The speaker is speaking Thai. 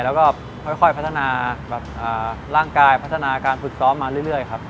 แล้วก็ค่อยพัฒนาร่างกายพัฒนาการฝึกซ้อมมาเรื่อยครับ